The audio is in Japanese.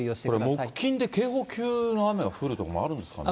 これ、木、金で警報級の雨が降る所もあるんですかね。